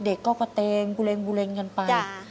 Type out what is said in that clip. เด็กก็เตงบูเร็งกันไป